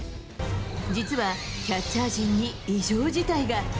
実はキャッチャー陣に異常事態が。